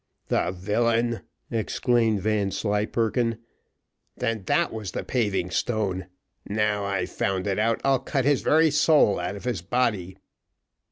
"The villain!" exclaimed Vanslyperken. "That then was the paving stone. Now I've found it out, I'll cut his very soul out of his body."